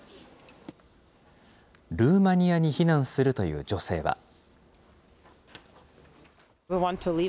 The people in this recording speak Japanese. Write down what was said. ルーマニアに避難するという女性は。